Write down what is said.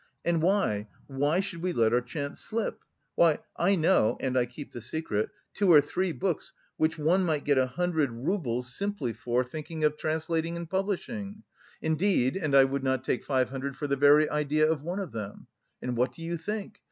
And why, why should we let our chance slip! Why, I know and I kept the secret two or three books which one might get a hundred roubles simply for thinking of translating and publishing. Indeed, and I would not take five hundred for the very idea of one of them. And what do you think?